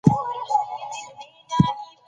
پرنګیانو د افغان غازیانو مقابله ونه کړه.